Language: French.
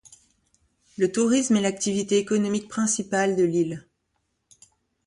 Le tourisme est l'activité économique principale de l'île.